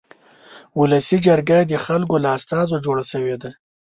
ولسي جرګه د خلکو له استازو جوړه شوې ده.